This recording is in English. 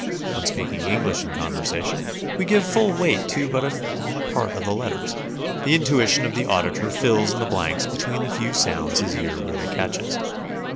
When speaking English in conversation, we give full weight to but a small part of the letters; the intuition of the auditor fills in the blanks between the few sounds his ear really catches.